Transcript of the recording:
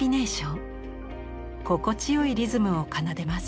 心地よいリズムを奏でます。